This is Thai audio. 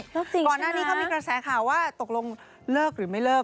แล้วสิก่อนหน้านี้เขามีกระแสข่าวว่าตกลงเลิกหรือไม่เลิก